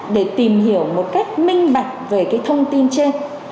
để tìm hiểu một cách minh bạch về cái thông tin trên